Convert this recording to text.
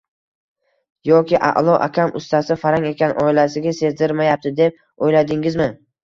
Yoki A`lo akam ustasi farang ekan, oilasiga sezdirmayapti, deb o`yladingizmi